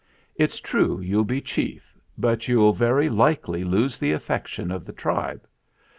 "It's true you'll be chief, but you'll very likely lose the affection of the tribe.